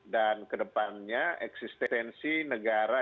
dan ke depannya eksistensi negara